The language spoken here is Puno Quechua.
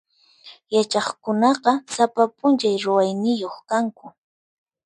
Yachaqkunaqa sapa p'unchay ruwayniyuq kanku.